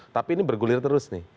tapi ini bergulir terus nih